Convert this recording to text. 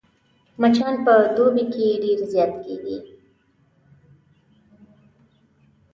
مچان په دوبي کې ډېر زيات کېږي